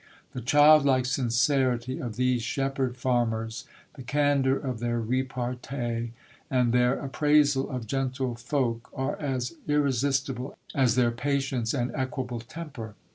The childlike sincerity of these shepherd farmers, the candour of their repartee and their appraisal of gentle folk are as irresistible as their patience and equable temper.